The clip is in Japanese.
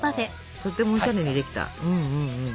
とってもおしゃれにできた。